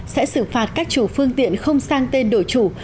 sẽ xử phạt các chủ phương tiện không sang tên đổi chủ